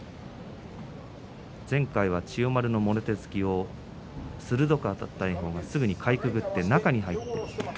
前回は千代丸のもろ手突きを鋭くあたった炎鵬がすぐにかいくぐって中に入りました。